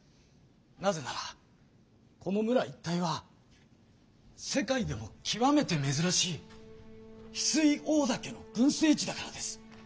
なぜならこの村一帯は世界でもきわめてめずらしいヒスイオオダケの群生地だからです。